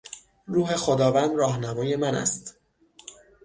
روح خداوند راهنمای من است.